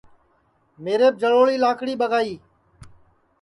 میریپ جݪوݪی لاکڑی ٻگائی